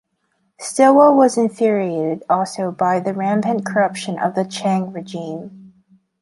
Stilwell was infuriated also by the rampant corruption of the Chiang regime.